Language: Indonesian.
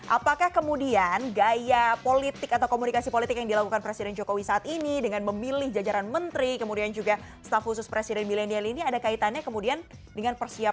apakah kemudian gaya politik atau komunikasi politik yang dilakukan presiden jokowi saat ini dengan memilih jajaran menteri kemudian juga staf khusus presiden milenial ini ada kaitannya kemudian dengan persiapan